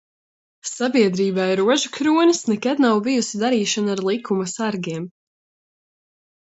Sabiedrībai "Rožu kronis" nekad nav bijusi darīšana ar likuma sargiem.